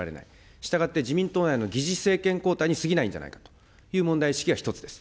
したがって、自民党内の疑似政権交代にすぎないんじゃないかという問題意識が一つです。